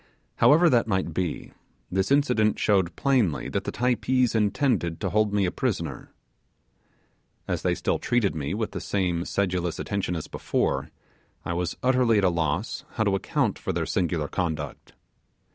However that might be, this incident showed plainly that the Typees intended to hold me a prisoner. As they still treated me with the same sedulous attention as before, I was utterly at a loss how to account for their singular conduct.